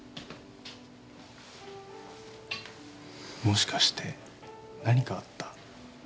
もしかして何かあった？